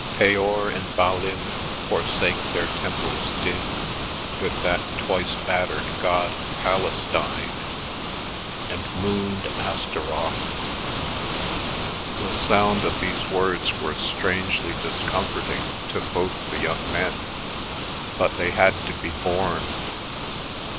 Peor and Baalim Forsake their Temples dim, With that twice batter'd God of Palestine And mooned Astaroth— The sound of these words were strangely discomforting to both the young men, but they had to be borne.